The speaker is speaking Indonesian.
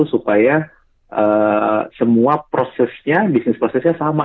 supaya semua prosesnya bisnis prosesnya sama